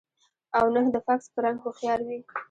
او نۀ د فاکس پۀ رنګ هوښيار وي